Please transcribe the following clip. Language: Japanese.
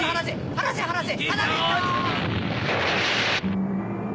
離せ離せ！